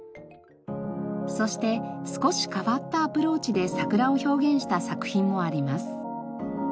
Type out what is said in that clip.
そして少し変わったアプローチで桜を表現した作品もあります。